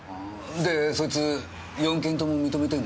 でそいつ４件とも認めてんの？